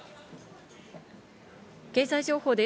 経済情報です。